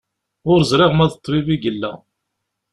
Ur ẓriɣ ma d ṭṭbib i yella.